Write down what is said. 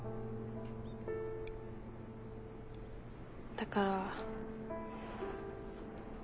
だから。